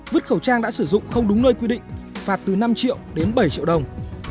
vứt khẩu trang đã sử dụng không đúng nơi quy định phạt từ năm triệu đến bảy triệu đồng